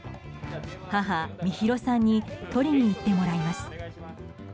母・美弘さんに取りに行ってもらいます。